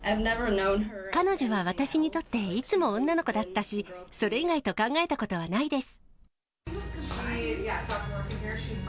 彼女は私にとっていつも女の子だったし、それ以外と考えたことはないです。